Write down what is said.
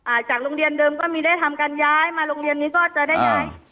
จากโรงเรียนเดิมก็มีได้ทำการย้ายมาโรงเรียนนี้ก็จะได้ย้าย